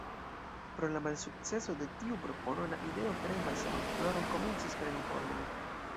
Pro la malsukceso de tiu propono, la ideo krei malsaman floron komencis preni formon.